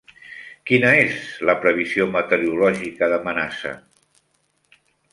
Quina és la previsió meteorològica de Manassa?